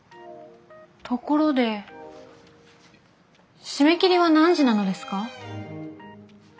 ところで締め切りは何時なのですか？